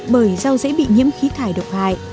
bởi rau dễ bị nhiễm khí thải độc hại